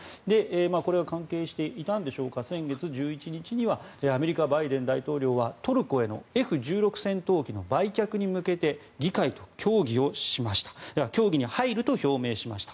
これが関係していたんでしょうか先月１１日にはアメリカ、バイデン大統領はトルコへのＦ１６戦闘機の売却へ向けて議会と協議に入ると表明しました。